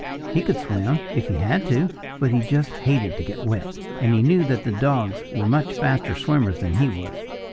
He could swim if he had to. But he just hated to get wet. And he knew that the dogs were much faster swimmers than he was.